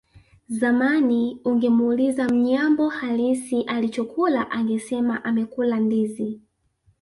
Zamani ungemuuliza Mnyambo halisi alichokula angesema amekula ndizi